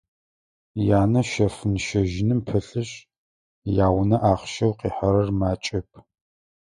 Янэ щэфын-щэжьыным пылъышъ, яунэ ахъщэу къихьэрэр макӏэп.